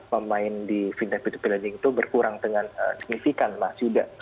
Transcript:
pemain di fintech p dua p lending itu berkurang dengan signifikan mas yuda